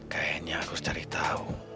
kayaknya aku harus cari tau